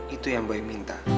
itu yang boy minta